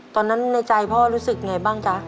ตอนนั้นในใจพ่อรู้สึกอย่างไรบ้างคะ